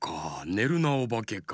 「ねるなおばけ」か。